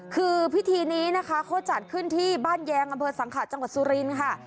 คือพิธีนี้นะคะเขาจัดขึ้นที่บ้านแยงบรรเวิร์ดสังขาดจังหวัดสุรินค่ะ